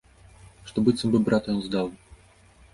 Што быццам бы брата ён здаў.